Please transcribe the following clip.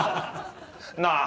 なあ！